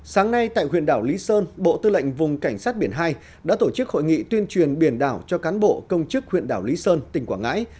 sáng nay tại huyện đảo lý sơn bộ tư lệnh vùng cảnh sát biển hai đã tổ chức hội nghị tuyên truyền biển đảo cho cán bộ công chức huyện đảo lý sơn tỉnh quảng ngãi